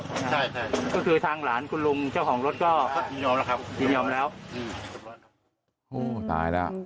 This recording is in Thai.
ก็คือทางหลานคุณลุงเจ้าของรถก็โดยยอมแล้ว